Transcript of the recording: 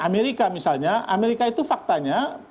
amerika misalnya amerika itu faktanya